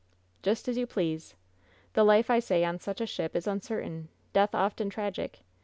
"Just as you please! The life, I say, on such a ship is uncertain; death often tragic.